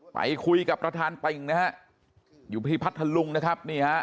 ไปคุยกับประธานติ่งนะครับอยู่ที่พัทธลุงนะครับ